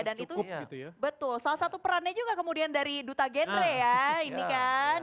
dan itu betul salah satu perannya juga kemudian dari duta gendre ya ini kan